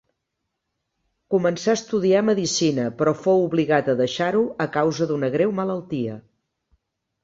Començà a estudiar medicina però fou obligat a deixar-ho a causa d'una greu malaltia.